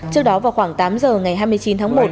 trước đó vào khoảng tám giờ ngày hai mươi chín tháng một